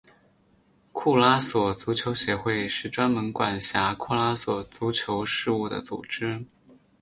库拉索足球协会是专门管辖库拉索足球事务的组织。